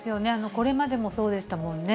これまでもそうでしたもんね。